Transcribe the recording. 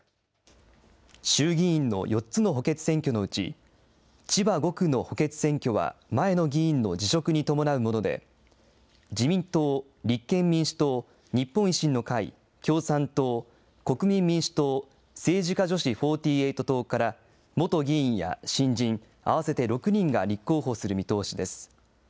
衆議院の４つの補欠選挙のうち、千葉５区の補欠選挙は前の議員の辞職に伴うもので、自民党、立憲民主党、日本維新の会、共産党、国民民主党、政治家女子４８党から元議員や新人、合わせて６人が立候補する見通しです。